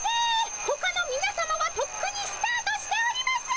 ほかのみなさまはとっくにスタートしております！